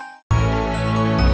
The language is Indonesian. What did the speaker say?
dan bisa semua selamat